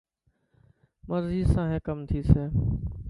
مرضي سان هي ڪم ٿيسي.